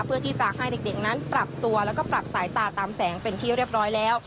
เพื่อที่จะให้เด็กนั้นปรับตัวแล้วก็ปรับสายตาตามแสงเป็นที่เรียบร้อยแล้ว